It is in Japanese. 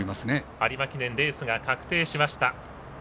有馬記念レースが確定しました。